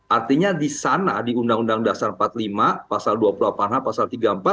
artinya di sana di undang undang dasar empat puluh lima pasal dua puluh delapan a pasal tiga puluh empat